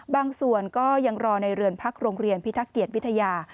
ส่วนก็ยังรอในเรือนพักโรงเรียนพิทักเกียจวิทยา